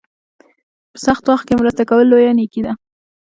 په سخت وخت کې مرسته کول لویه نیکي ده.